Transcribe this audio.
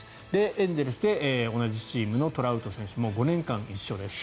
エンゼルスで同じチームのトラウト選手ももう５年間一緒です。